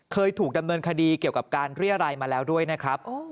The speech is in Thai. เคยถูกดำเนินคดีเกี่ยวกับการเรียรัยมาแล้วด้วยนะครับ